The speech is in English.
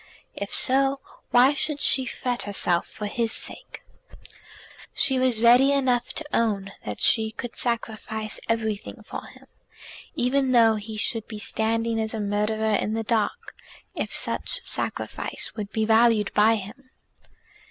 If so, why should she fret herself for his sake? She was ready enough to own that she could sacrifice everything for him, even though he should be standing as a murderer in the dock, if such sacrifice would be valued by him.